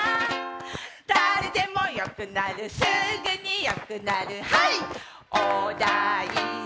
誰でもよくなるすぐによくなる、はいっ！